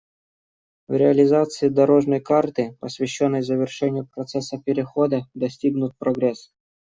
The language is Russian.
В реализации «дорожной карты», посвященной завершению процесса перехода, достигнут прогресс.